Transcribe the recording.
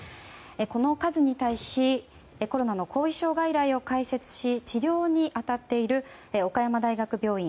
この数に対しコロナの後遺症外来を開設し治療に当たっている岡山大学病院